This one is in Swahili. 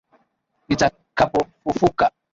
Nitakapofufuka,